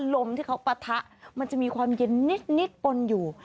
ลมที่เขาปะทะมันจะมีความเย็นนิดปนอยู่